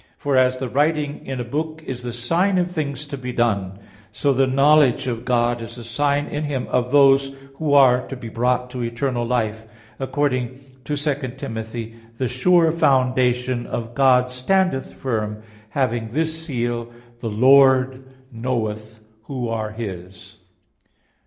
For as the writing in a book is the sign of things to be done, so the knowledge of God is a sign in Him of those who are to be brought to eternal life, according to 2 Tim. 11:19: "The sure foundation of God standeth firm, having this seal; the Lord knoweth who are His."